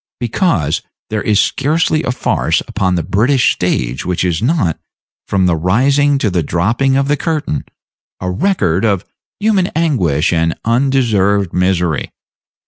Because there is scarcely a farce upon the British stage which is not, from the rising to the dropping of the curtain, a record of human anguish and undeserved misery.